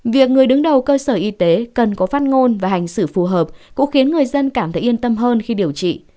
việc người đứng đầu cơ sở y tế cần có phát ngôn và hành xử phù hợp cũng khiến người dân cảm thấy yên tâm hơn khi điều trị